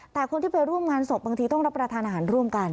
แต่คนที่ไปร่วมงานศพบางทีต้องรับประทานอาหารร่วมกัน